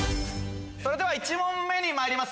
それでは１問目にまいります